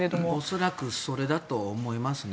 恐らくそれだと思いますね。